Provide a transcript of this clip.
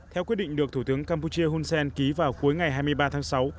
theo quyết định được thủ tướng campuchia hunsen ký vào cuối ngày hai mươi ba tháng sáu